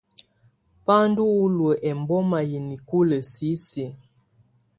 Ba ndù ɔlɔ ɛmbɔma yi nikulǝ sisiǝ̀.